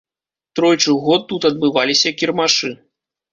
Тройчы ў год тут адбываліся кірмашы.